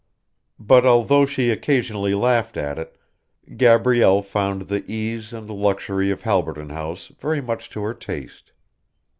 But although she occasionally laughed at it, Gabrielle found the ease and luxury of Halberton House very much to her taste.